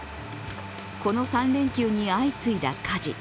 この３連休に相次いだ火事。